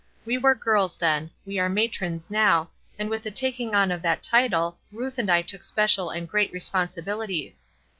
We were girls then; we are matrons now, and with the taking on of that title, Ruth and I took special and great responsibilities.